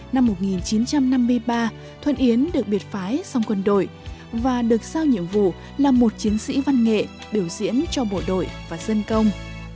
năm một nghìn chín trăm năm mươi ba thuận yến được biệt phái xong quân đội và được sao nhiệm vụ là một chiến sĩ văn nghệ biểu diễn cho bộ đội và dân công